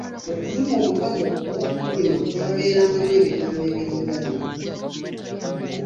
Okuvuma omukago oba okukolima kwabeerangamu ebigambo ebiringa bino.